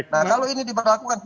nah kalau ini diberlakukan